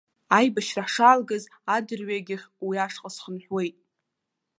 Аибашьра ҳшаалгаз, адырҩегьых уи ашҟа схынҳәуеит.